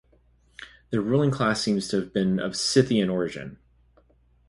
Their ruling class seems to have been of Scythian origin.